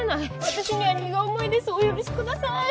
私には荷が重いですお許しください。